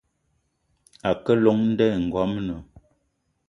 A ke llong nda i ngoamna.